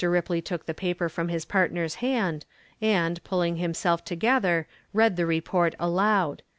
Ripley took the paper from his partner's hand and, pulling himself together, read the report aloud.